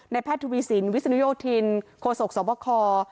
ในแพทย์ทุวีสินวิสุนโยธินโคสกสวบคอร์